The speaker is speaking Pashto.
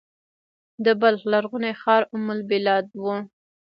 د بلخ لرغونی ښار ام البلاد و